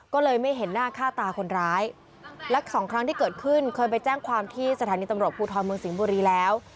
ก็เลยไม่เห็นหน้าค่าตาคนร้ายและสองครั้งที่เกิดขึ้นเคยไปแจ้งความที่สถานีตำรวจภูทรเมืองสิงห์บุรีแล้ว